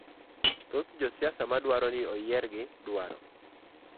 Thoth josiasa madwaro ni oyiergi, dwaro